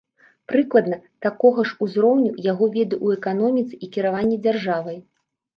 Прыкладна такога ж узроўню яго веды ў эканоміцы і кіраванні дзяржавай.